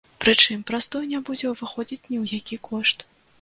Прычым, прастой не будзе ўваходзіць ні ў які кошт.